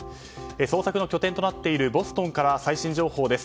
捜索の拠点となっているボストンから最新情報です。